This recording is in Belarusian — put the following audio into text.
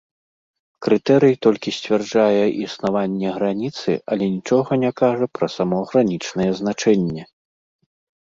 Крытэрый толькі сцвярджае існаванне граніцы, але нічога не кажа пра само гранічнае значэнне.